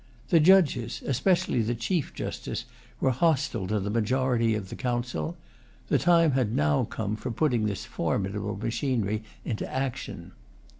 The Judges, especially the Chief Justice, were hostile to the majority of the Council. The time had now come for putting this formidable machinery into action.